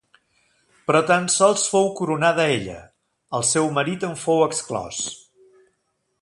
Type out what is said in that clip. Però tan sols fou coronada ella, el seu marit en fou exclòs.